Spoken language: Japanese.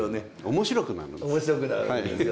面白くなるんですよね。